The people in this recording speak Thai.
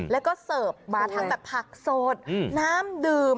แล้วก็เสิร์ฟมาทั้งแบบผักสดน้ำดื่ม